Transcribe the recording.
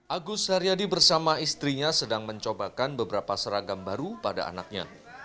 agus haryadi bersama istrinya sedang mencobakan beberapa seragam baru pada anaknya